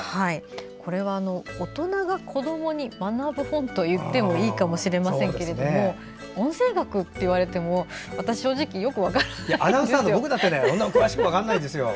これは大人が子どもに学ぶ本といってもいいかもしれませんけども音声学って言われても私、正直よく分からなかったんですけど。